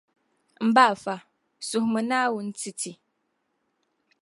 M ba afa, suhimi Naawuni n-ti ti.